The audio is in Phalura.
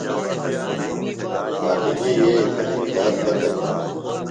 فاطمئی یئی تھےۡ انیۡ بات پتہ بِھلیۡ۔